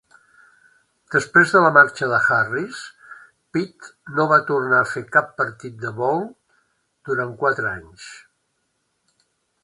Després de la marxa de Harris, Pitt no va tornar a fer cap partit de bowl durant quatre anys.